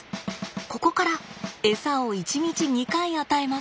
ここからエサを１日２回与えます。